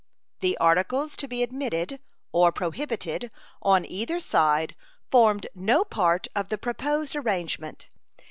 The articles to be admitted or prohibited on either side formed no part of the proposed arrangement.